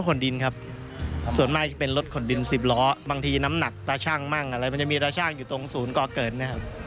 ขนดินครับส่วนมากจะเป็นรถขนดินสิบล้อบางทีน้ำหนักตาชั่งมั่งอะไรมันจะมีตาช่างอยู่ตรงศูนย์ก่อเกิดนะครับ